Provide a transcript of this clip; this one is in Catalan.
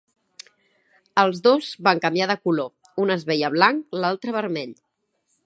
Els dos van canviar de color: un es veia blanc, l'altre vermell.